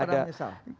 tidak pernah menyesal